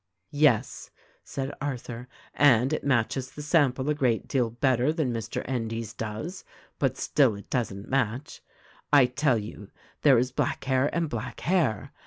"Yes," said Arthur, ''and it matches the sample a great deal better than Mr. Endy's does, but still it doesn't match. I tell you, there is black hair and black hair.